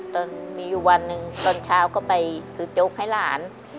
ตอนมีอยู่วันหนึ่งตอนเช้าก็ไปซื้อโจ๊กให้หลาน